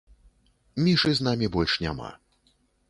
Мішы з намі больш няма.